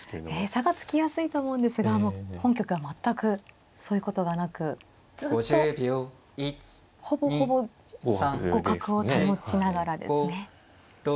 差がつきやすいと思うんですが本局は全くそういうことがなくずっとほぼほぼ互角を保ちながらですね。